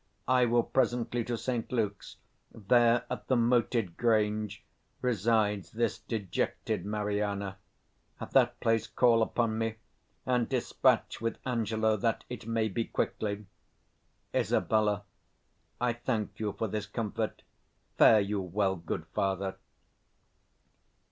I will presently to 250 Saint Luke's: there, at the moated grange, resides this dejected Mariana. At that place call upon me; and dispatch with Angelo, that it may be quickly. Isab. I thank you for this comfort. Fare you well, good father.